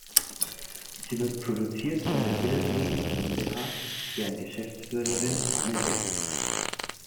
Sie wird produziert von der Will Media GmbH, deren Geschäftsführerin Anne Will ist.